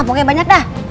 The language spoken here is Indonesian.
pokoknya banyak dah